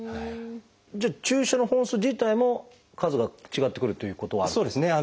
じゃあ注射の本数自体も数が違ってくるということはあるってことですか？